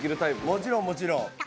もちろんもちろん。